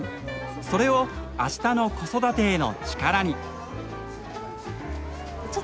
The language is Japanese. それをあしたの子育てへの力に。